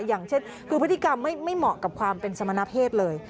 อย่างเช่นคือพฤติกรรมไม่เหมาะกับความเป็นสมณเพศเลย